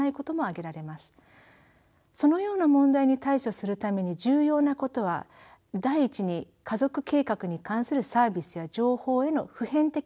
そのような問題に対処するために重要なことは第１に家族計画に関するサービスや情報への普遍的アクセスの保障